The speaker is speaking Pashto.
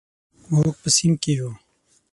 موږ په صنف کې یو.